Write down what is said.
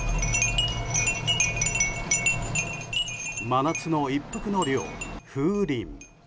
真夏の一服の涼、風鈴。